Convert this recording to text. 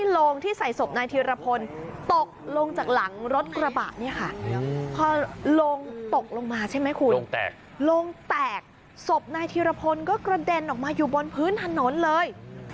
โรงแตกศพนายธีรพลก็กระเด็นออกมาอยู่บนพื้นถนนเลย